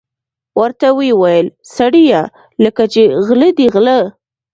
ورته ویې ویل: سړیه لکه چې غله دي غله.